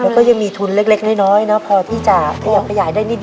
แล้วก็ยังมีทุนเล็กน้อยนะพอที่จะขยับขยายได้นิดน